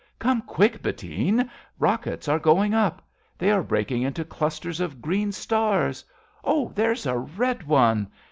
Come quick, Bettine, rockets are going up ! They are breaking into clusters of green stars ! Oh, there's a red one